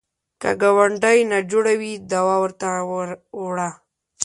که ګاونډی ناجوړه وي، دوا ورته وړه